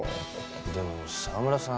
でも澤村さん